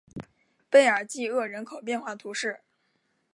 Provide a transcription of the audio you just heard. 贝尔济厄人口变化图示